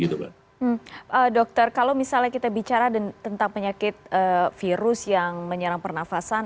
dokter kalau misalnya kita bicara tentang penyakit virus yang menyerang pernafasan